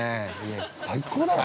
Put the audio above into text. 最高だよな。